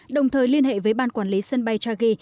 đồng thời liên hệ với ban quản lý sân bay chagi